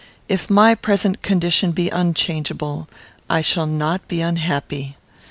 If my present condition be unchangeable, I shall not be unhappy.